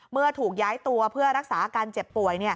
เมื่อถูกย้ายตัวเพื่อรักษาอาการเจ็บป่วย